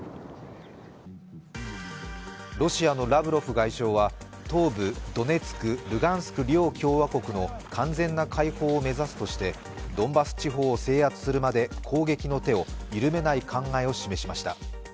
ロシアのラブロフ外相は東部ドネツィク、ルガンスク両共和国の完全な解放を目指すとしてドンバス地方を制圧するまで攻撃の手を緩めない考えを示しました。